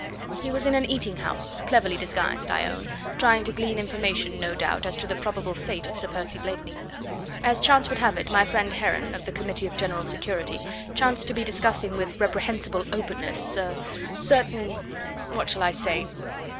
"He was in an eating house, cleverly disguised, I own, trying to glean information, no doubt as to the probable fate of Sir Percy Blakeney. As chance would have it, my friend Heron, of the Committee of General Security, chanced to be discussing with reprehensible openness er certain what shall I say?